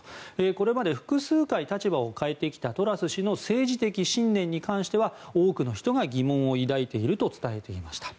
これまで複数回立場を変えてきたトラス氏の政治的信念に関しては多くの人が疑問を抱いていると伝えていました。